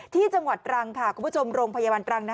ที่จังหวัดตรังค่ะคุณผู้ชมโรงพยาบาลตรัง